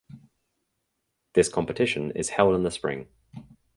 This competition is held in the spring.